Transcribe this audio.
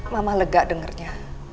mama lega dengernya